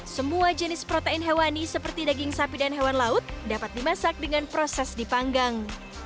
semua jenis protein hewani seperti daging sapi dan hewan laut dapat dimasak dengan proses dipanggang